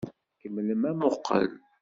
Kemmlem amuqqel!